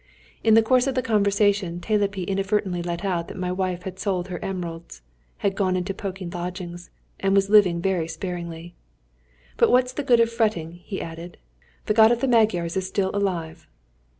In the course of the conversation, Telepi inadvertently let out that my wife had sold her emeralds, had gone into pokey lodgings, and was living very sparingly. "But what's the good of fretting?" he added. "The God of the Magyars is still alive!"